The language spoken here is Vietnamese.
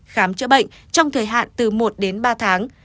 khám chữa bệnh trong thời hạn từ một đến ba tháng